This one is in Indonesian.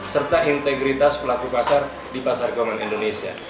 serta integritas pelaku pasar di pasar keuangan indonesia